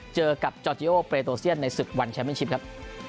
เจอกับจอร์เจโยในสิบวันแชมป์มิ้นทริปครับ